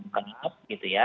kemas gitu ya